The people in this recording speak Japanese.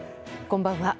こんばんは。